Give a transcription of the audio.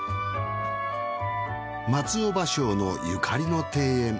松尾芭蕉のゆかりの庭園。